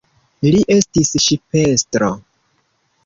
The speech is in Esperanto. Li estis ŝipestro.